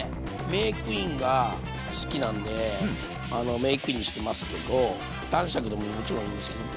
メークインが好きなんでメークインにしてますけど男爵でももちろんいいんですけど。